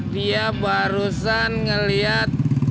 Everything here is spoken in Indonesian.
dia barusan ngeliat